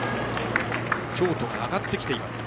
京都が上がってきています。